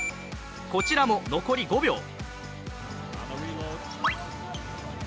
こちらも残り５秒。